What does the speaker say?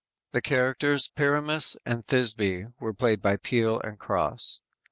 The characters Pyramus and Thisbe were played by Peele and Crosse.